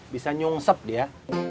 bisa nyungsep dia